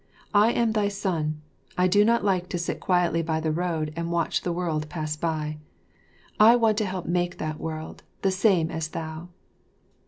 I am thy son; I do not like to sit quietly by the road and watch the world pass by; I want to help make that world, the same as thou."